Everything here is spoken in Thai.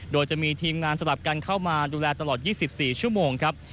โดยจะมีทีมงานสลับกันเข้ามาดูแลตลอด๒๔ชั่วโมงครับ